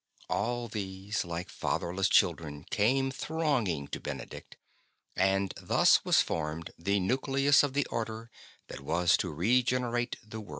All these, like fatherless children, came thronging to Benedict, and thus was formed the nucleus of the Order that was to regenerate the world.